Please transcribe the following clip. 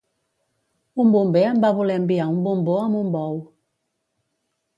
Un bomber em va voler enviar un bombó amb un bou.